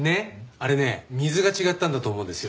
あれね水が違ったんだと思うんですよ。